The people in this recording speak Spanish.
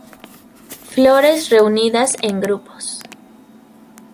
Flores reunidas en grupos.